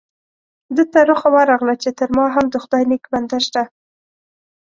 ده ته رخه ورغله چې تر ما هم د خدای نیک بنده شته.